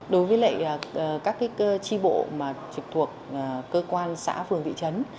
đối với các tri bộ trực thuộc cơ quan xã phường vị trấn